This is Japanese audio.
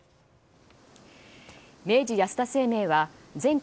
明治安田生命は全国